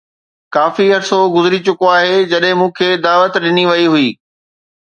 ڪافي عرصو گذري چڪو آهي جڏهن مون کي دعوت ڏني وئي هئي